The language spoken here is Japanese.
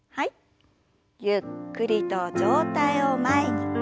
ゆっくりと上体を前に。